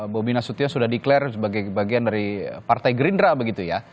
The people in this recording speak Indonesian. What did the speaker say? bobi nasution sudah declare sebagai bagian dari partai gerindra begitu ya